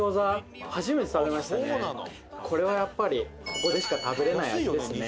これはやっぱりここでしか食べられない味ですね。